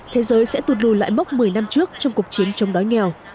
thế giới sẽ tụt lùi lại mốc một mươi năm trước trong cuộc chiến chống đói nghèo